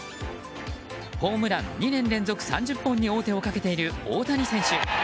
ホームラン２年連続３０本に王手をかけている大谷選手。